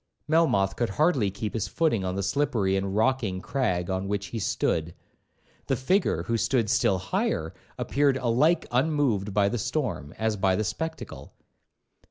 Melmoth could hardly keep his footing on the slippery and rocking crag on which he stood; the figure, who stood still higher, appeared alike unmoved by the storm, as by the spectacle.